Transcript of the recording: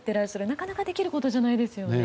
なかなかできることじゃないですよね。